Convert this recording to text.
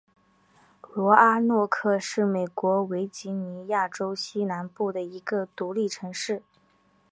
罗阿诺克是美国维吉尼亚州西南部的一个独立城市。